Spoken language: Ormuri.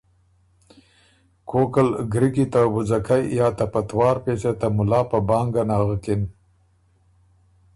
کوک ال ګری کی ته وُځَکئ یا ته پتوار پېڅه ته مُلا په بانګه نغکِن۔